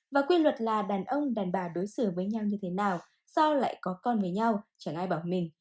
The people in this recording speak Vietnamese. và quy luật là đàn ông đàn bà đối xử với nhau như thế nào do lại có con với nhau chẳng ai bảo mình